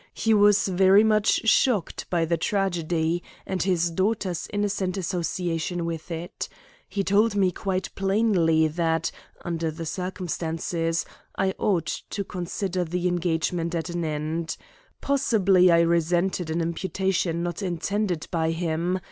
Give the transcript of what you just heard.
He was very much shocked by the tragedy, and his daughter's innocent association with it. He told me quite plainly that, under the circumstances, I ought to consider the engagement at an end. Possibly I resented an imputation not intended by him.